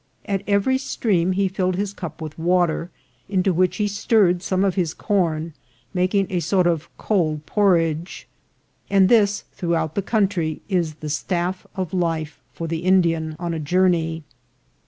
At every stream he filled his cup with water, into which he stirred some of his corn, making a sort of cold porridge ; and this throughout the country is the staff of life for the Indian on a journey.